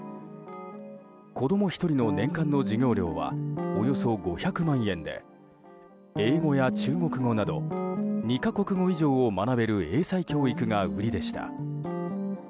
子供１人の年間の授業料はおよそ５００万円で英語や中国語など２か国語以上を学べる英才教育が売りでした。